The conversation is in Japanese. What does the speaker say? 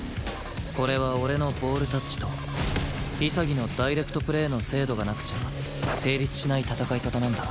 これは俺のボールタッチと潔のダイレクトプレーの精度がなくちゃ成立しない戦い方なんだ